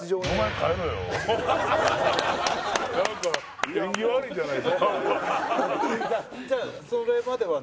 なんか縁起悪いじゃない。